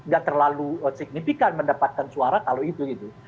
gak terlalu signifikan mendapatkan suara kalau itu gitu